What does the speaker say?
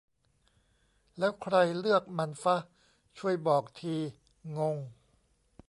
แล้วใครเลือกมันฟะ ? ช่วยบอกทีงง